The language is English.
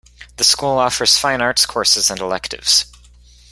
The school offers fine arts courses and electives.